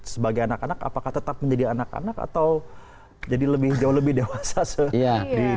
sebagai anak anak apakah tetap menjadi anak anak atau jadi lebih jauh lebih dewasa